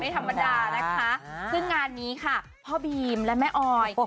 ธรรมดานะคะซึ่งงานนี้ค่ะพ่อบีมและแม่ออย